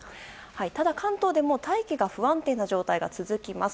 ただ、関東でも大気が不安定な状態が続きます。